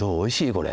これ。